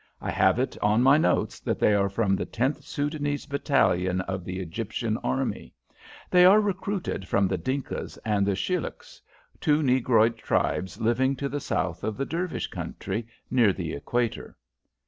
I have it on my notes that they are from the 10th Soudanese battalion of the Egyptian army. They are recruited from the Dinkas and the Shilluks two negroid tribes living to the south of the Dervish country, near the Equator."